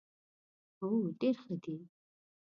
هو، ډیر ښه دي